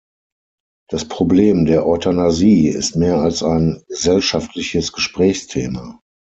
Das Problem der Euthanasie ist mehr als ein gesellschaftliches Gesprächsthema.